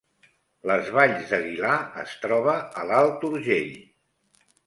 Les Valls d’Aguilar es troba a l’Alt Urgell